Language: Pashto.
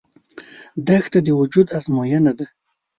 دښته د وجود ازموینه ده.